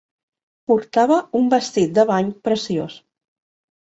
Portava un vestit de bany preciós.